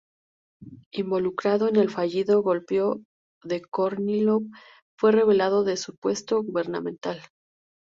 Involucrado en el fallido golpe de Kornílov, fue relevado de su puesto gubernamental.